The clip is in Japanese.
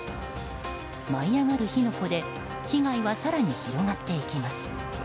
舞い上がる火の粉で被害は更に広がっていきます。